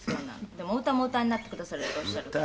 でもお歌もお歌いになってくださるっておっしゃるから」